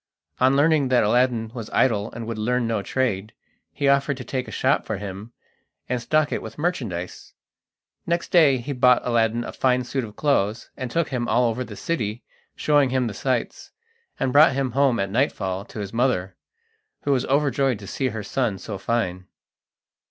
On learning that Aladdin was idle and would learn no trade, he offered to take a shop for him and stock it with merchandise. Next day he bought Aladdin a fine suit of clothes, and took him all over the city, showing him the sights, and brought him home at nightfall to his mother, who was overjoyed to see her son so fine.